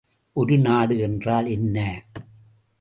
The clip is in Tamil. ஒரு நாடு என்றால் என்ன?